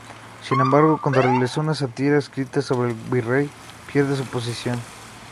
Sin embargo, cuándo realizó una sátira escrita sobre el Virrey, pierde su posición.